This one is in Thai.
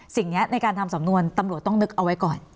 สิ่งนี้ในการทำสำนวนตำรวจต้องนึกเอาไว้ก่อน